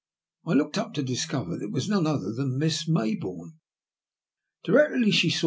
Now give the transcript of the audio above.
I looked up, to discover that it was none other than Miss Mayboume« Directly she saw